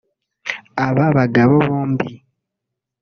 Aba bagabo bombi